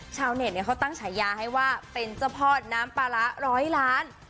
ชาวเน็ตเขาตั้งฉายาให้ว่าเป็นเจ้าพ่อน้ำปลาร้าร้อยล้าน